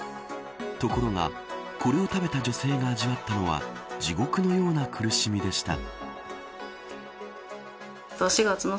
ところがこれを食べた女性が味わったのは地獄のような苦しみでした。